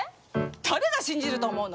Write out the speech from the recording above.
誰が信じると思うの？